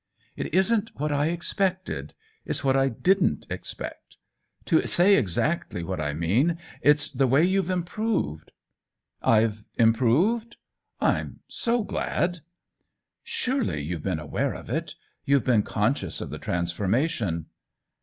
" It isn't what I expected — it's what I didn't expect. To say exactly what I mean, it's the way youVe improved." " Fve improved ? Tm so glad !"" Surely youVe been aware of it — you've been conscious of the transformation."